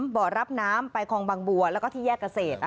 บ่อรับน้ำไปคลองบางบัวแล้วก็ที่แยกเกษตร